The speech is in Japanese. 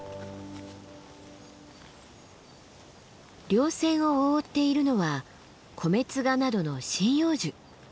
稜線を覆っているのはコメツガなどの針葉樹。